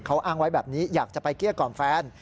เขาอ้างไว้แบบนี้อยากจะไปเกลี้ยกล่อมแฟน